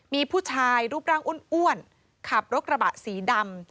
มีผู้ชายรูปร่างอ้วนขับรถกระบะสีดำ